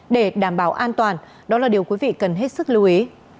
để đảm bảo an toàn đó là điều quý vị cần hết sức lưu ý